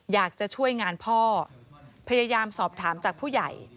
อยากจะช่วยงานพ่อพยายามสอบถามจากผู้ใหญ่